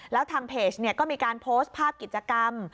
แล้วทางเพจก็มีการโพสต์ภาพกิจกรรม